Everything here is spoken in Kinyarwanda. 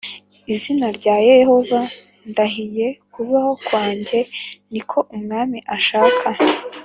Izina rya yehova ndahiye kubaho kwanjye ni ko umwami ashaka